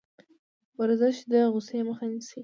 ورزش د غوسې مخه نیسي.